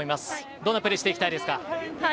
どんなプレーしていきたいですか。